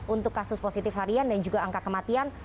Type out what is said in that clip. untuk kasus positif harian dan juga angka kematian